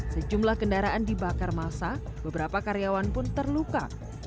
sejumlah kendaraan dibakar masa beberapa karyawan pun terluka